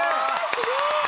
すごい。